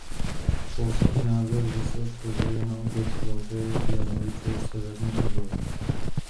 Polský název zase odkazuje na obec Velké Janovice severně od hor.